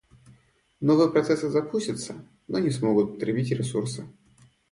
Новые процессы запустятся, но не смогут потребить ресурсы